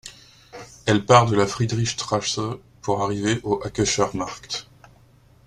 Elle part de la Friedrichstraße pour arriver au Hackescher Markt.